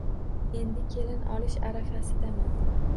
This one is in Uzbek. Endi kelin olish arafasidaman